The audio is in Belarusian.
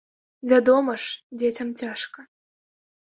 Вядома ж, дзецям цяжка.